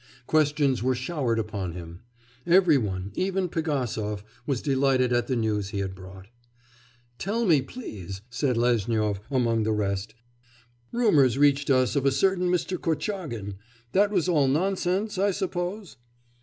Questions were showered upon him. Every one, even Pigasov, was delighted at the news he had brought. 'Tell me, please,' said Lezhnyov among the rest, 'rumours reached us of a certain Mr. Kortchagin. That was all nonsense, I suppose?